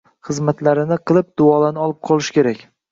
xizmatlarini qilib, duolarini olib qolish kerak.